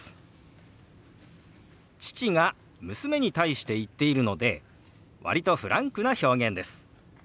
父が娘に対して言っているので割とフランクな表現です。